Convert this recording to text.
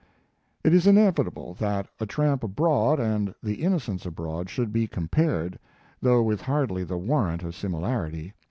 It is inevitable that 'A Tramp Abroad' and 'The Innocents Abroad' should be compared, though with hardly the warrant of similarity.